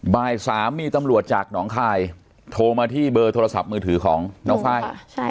บ่าย๓มีตำรวจจากหนองคายโทรมาที่เบอร์โทรศัพท์มือถือของน้องไฟล์